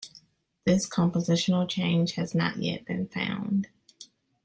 This compositional change has not yet been found.